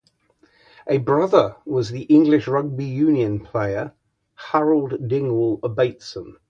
A brother was the English rugby union player Harold Dingwall Bateson.